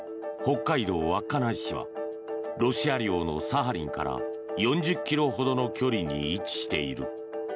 北海道稚内市はロシア領のサハリンから４０ｋｍほどの距離に位置している。